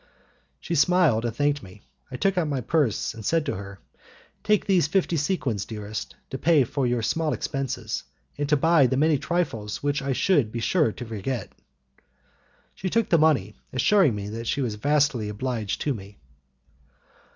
She smiled and thanked me. I took out my purse, and said to her; "Take these fifty sequins, dearest, to pay for all your small expenses, and to buy the many trifles which I should be sure to forget." She took the money, assuring me that she was vastly obliged to me.